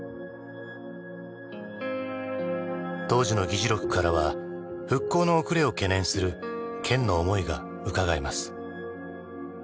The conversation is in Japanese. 当時の議事録からは復興の遅れを懸念する県の思いがうかがえます。